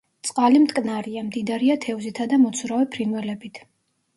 წყალი მტკნარია, მდიდარია თევზითა და მოცურავე ფრინველებით.